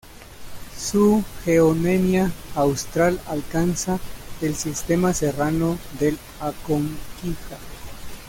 Su geonemia austral alcanza el sistema serrano del Aconquija.